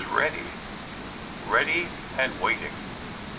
307 ready — ready and waiting.